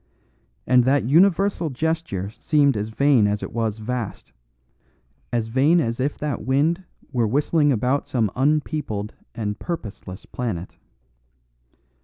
And that universal gesture seemed as vain as it was vast, as vain as if that wind were whistling about some unpeopled and purposeless planet.